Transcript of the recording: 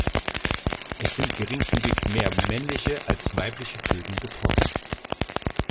Es sind geringfügig mehr männliche als weibliche Föten betroffen.